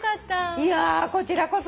いやこちらこそ。